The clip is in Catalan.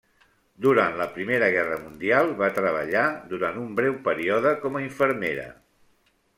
Durant Primera Guerra Mundial va treballar durant un breu període com a infermera.